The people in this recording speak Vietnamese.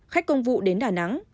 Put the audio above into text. khách công vụ đến đà nẵng